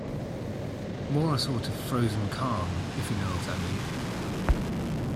More a sort of frozen calm, if you know what I mean.